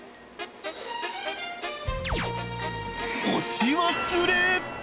押し忘れ。